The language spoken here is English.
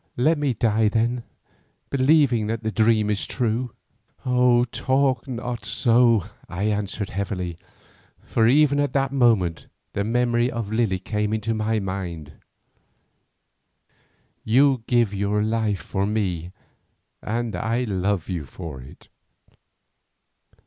Let me die then believing that the dream is true." "Talk not so," I answered heavily, for even at that moment the memory of Lily came into my mind. "You give your life for me and I love you for it."